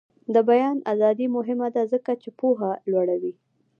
د بیان ازادي مهمه ده ځکه چې پوهه لوړوي.